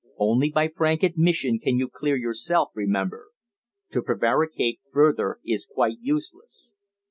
Only by frank admission can you clear yourself, remember. To prevaricate further is quite useless."